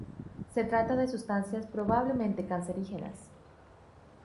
Se trata de sustancias probablemente cancerígenas.